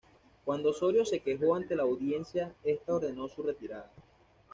Cuando Osorio se quejó ante la Audiencia, esta ordenó su retirada.